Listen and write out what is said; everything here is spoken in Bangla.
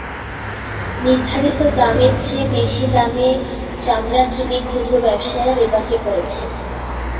নির্ধারিত দামের চেয়ে বেশি দামে চামড়া কিনে ক্ষুদ্র ব্যবসায়ীরা বিপাকে পড়েছেন।